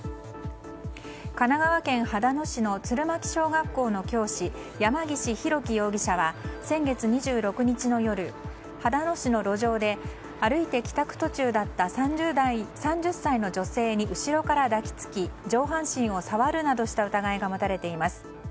神奈川県秦野市の鶴巻小学校の教師山岸浩己容疑者は先月２６日の夜秦野市の路上で歩いて帰宅途中だった３０歳の女性に後ろから抱き付き上半身を触るなどした疑いが持たれています。